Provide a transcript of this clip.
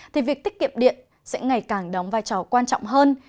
thì việc tiết kiệm điện sẽ ngày càng đóng vai trò quan trọng hơn